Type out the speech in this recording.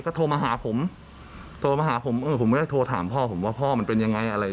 ก็โทรมาหาผมผมก็โทรถามพ่อผมว่าพ่อมันเป็นยังไง